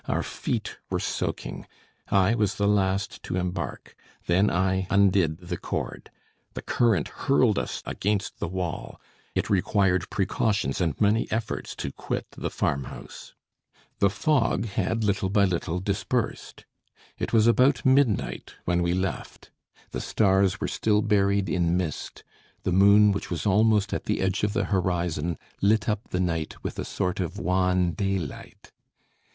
Our feet were soaking. I was the last to embark; then I undid the cord. The current hurled us against the wall; it required precautions and many efforts to quit the farmhouse. The fog had little by little dispersed. It was about midnight when we left. The stars were still buried in mist; the moon which was almost at the edge of the horizon, lit up the night with a sort of wan daylight.